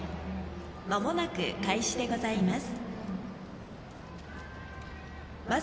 まもなく開始でございます。